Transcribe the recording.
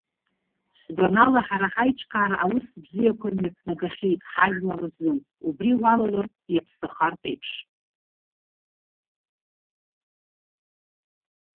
Сгәанала, ҳара ҳаиҿкаара аус бзиақәа мҩаԥнагахьеит ҳажәлар рзын, убри уалалар иаԥсахартә еиԥш.